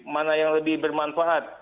mana yang lebih bermanfaat